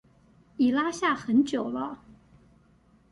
已拉下很久了